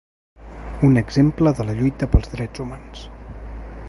Un exemple de la lluita pels drets humans.